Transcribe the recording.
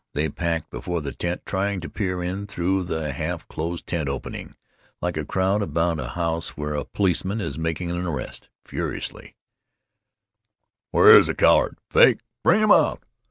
They packed before the tent, trying to peer in through the half closed tent opening, like a crowd about a house where a policeman is making an arrest. Furiously: "Where's the coward? Fake! Bring 'im out!